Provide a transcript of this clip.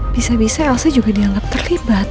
bisa bisa elsa juga dianggap terlibat